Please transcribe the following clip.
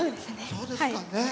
そうですね。